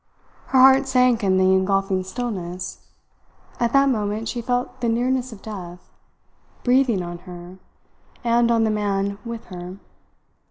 Her heart sank in the engulfing stillness, at that moment she felt the nearness of death, breathing on her and on the man with her.